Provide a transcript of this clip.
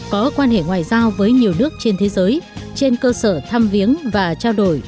có quan hệ ngoại giao với nhiều nước trên thế giới trên cơ sở thăm viếng và cơ sở phát triển